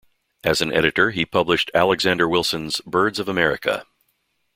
As an editor, he published Alexander Wilson's "Birds of America".